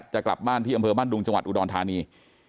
จะกลับบ้านที่อำเภอบ้านดุงจังหวัดอุดรธานี